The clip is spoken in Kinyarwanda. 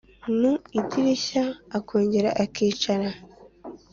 mu idirishya akongera akicara